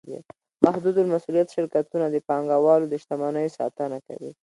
محدودالمسوولیت شرکتونه د پانګهوالو د شتمنیو ساتنه کوي.